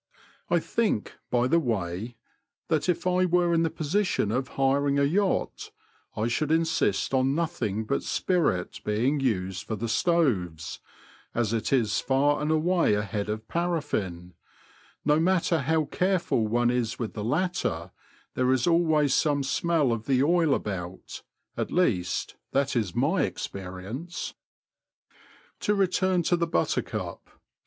I think, by the way, that if I were in the position of hiring a yacht, I should insist on nothing but spirit being used for the stoves, as it is far and away ahead of parafiSn ; no matter how careful one is with the latter, there is always some smell of the oil about — at least, that is my experience. To return to the Buttercup.